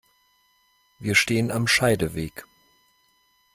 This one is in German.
Wir stehen am Scheideweg.